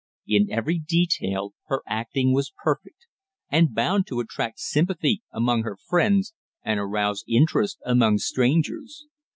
In every detail her acting was perfect, and bound to attract sympathy among her friends and arouse interest among strangers.